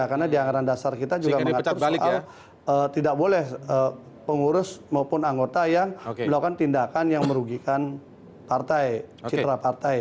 karena dianggaran dasar kita juga mengatur soal tidak boleh pengurus maupun anggota yang melakukan tindakan yang merugikan partai citra partai